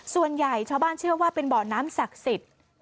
ส่วนใหญ่ชาวบ้านเชื่อว่าเป็นบ่อน้ำศักดิ์สิทธิ์